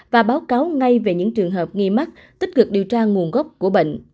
và báo cáo ngay về những trường hợp nghi mắc tích cực điều tra nguồn gốc của bệnh